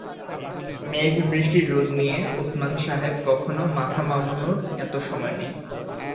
মেঘ-বৃষ্টি-রোদ নিয়ে ওসমান সাহেব কখনো মাথা মামুনুর এত সময় নেই।